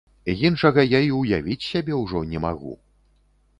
Іншага я і ўявіць сябе ўжо не магу!